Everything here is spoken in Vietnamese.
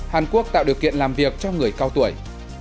hàn quốc tạo điều kiện làm việc cho người cao tuổi